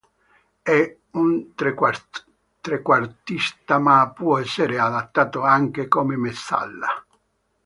È un trequartista ma può essere adattato anche come mezzala.